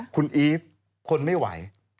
คุณอีฟทนไม่ไหว